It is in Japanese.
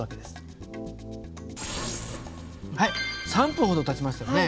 ３分ほど経ちましたよね。